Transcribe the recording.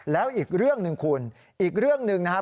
แล้วอีกเรื่องหนึ่งคุณอีกเรื่องหนึ่งนะครับ